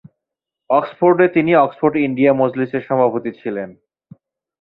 অক্সফোর্ডে তিনি Oxford India মজলিসের সভাপতি ছিলেন।